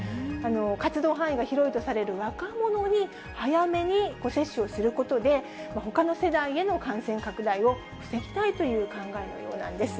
活動範囲が広いとされる若者に、早めに接種をすることで、ほかの世代への感染拡大を防ぎたいという考えのようなんです。